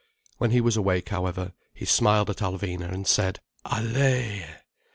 When he was awake, however, he smiled at Alvina, and said: "Allaye!"